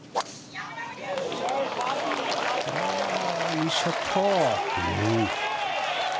いいショット。